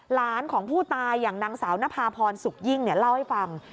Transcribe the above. หลานของผู้ตายอย่างนางสาวนภาพรสุกยิ่งเล่าให้ฟัง